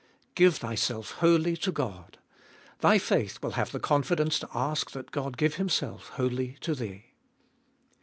2. Give thyself wholly to God— thy faith will have the confidence to ash that God give Himself wholly to thee.